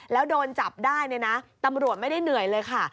แล้วโดนจับได้เนี่ยนะตำรวจไม่ได้เหนื่อยเลยค่ะ